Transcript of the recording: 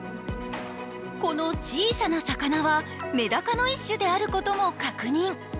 この小さな魚は、めだかの一種であることも確認。